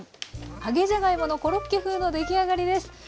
揚げじゃがいものコロッケ風の出来上がりです。